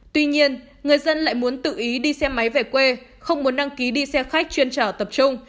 tuy nhiên người dân lại muốn tự ý đi xe máy về quê không muốn đăng ký đi xe khách chuyên trở tập trung